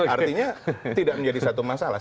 artinya tidak menjadi satu masalah